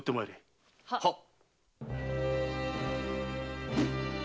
はっ！